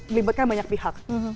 melibatkan banyak pihak